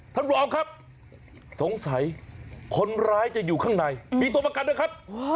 ท่านรองครับสงสัยคนร้ายจะอยู่ข้างในมีตัวประกันด้วยครับ